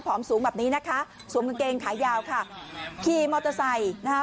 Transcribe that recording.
สูงแบบนี้นะคะสวมกางเกงขายาวค่ะขี่มอเตอร์ไซค์นะคะ